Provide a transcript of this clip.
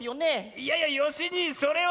いやいやよしにいそれは。